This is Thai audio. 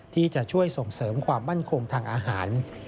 ที่จะช่วยส่งเสริมความมั่นคงทางอาหาร